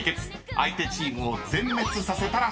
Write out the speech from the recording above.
相手チームを全滅させたら勝利です］